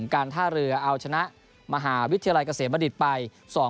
การท่าเรือเอาชนะมหาวิทยาลัยเกษมบดิษฐ์ไป